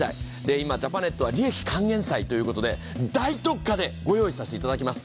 今、ジャパネットは利益還元祭ということで、大特価でご用意させていただきます。